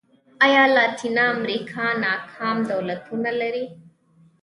ایا لاتینه امریکا ناکام دولتونه نه لري.